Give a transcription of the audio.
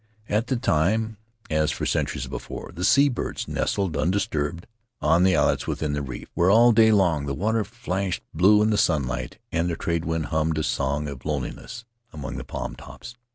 At that time, as for centuries before, the sea birds nested undisturbed on the islets within the reef, where all day long the water flashed blue in the sunlight and the trade wind hummed a song of loneliness among the palm tops.